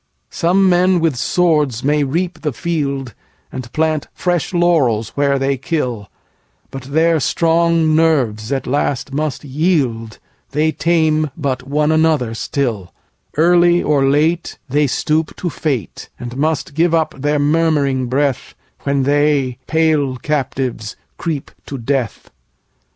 Some men with swords may reap the field, And plant fresh laurels where they kill:But their strong nerves at last must yield; They tame but one another still:Early or lateThey stoop to fate, And must give up their murmuring breathWhen they, pale captives, creep to death.